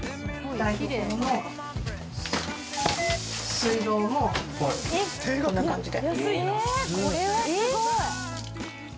水道もこんな感じで。